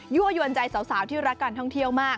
ั่วยวนใจสาวที่รักการท่องเที่ยวมาก